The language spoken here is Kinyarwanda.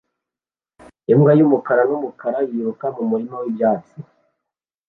imbwa yumukara numukara yiruka mumurima wibyatsi